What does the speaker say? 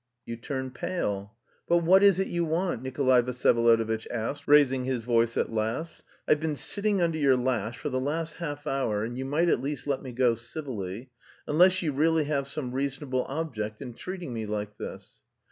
"You turn pale." "But what is it you want?" Nikolay Vsyevolodovitch asked, raising his voice at last. "I've been sitting under your lash for the last half hour, and you might at least let me go civilly. Unless you really have some reasonable object in treating me like this."